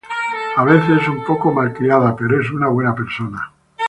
A veces, es un poco malcriada, pero es una buena persona.